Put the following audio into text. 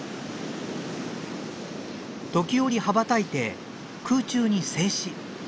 時折羽ばたいて空中に静止。